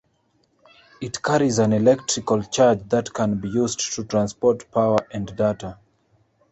It carries an electrical charge that can be used to transport power and data.